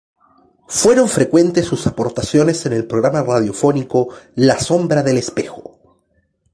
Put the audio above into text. Fueron frecuentes sus aportaciones en el programa radiofónico "La sombra del espejo".